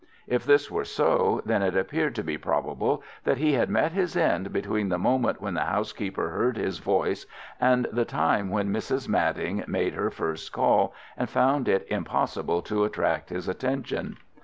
If this were so, then it appeared to be probable that he had met his end between the moment when the housekeeper heard his voice and the time when Mrs. Madding made her first call and found it impossible to attract his attention.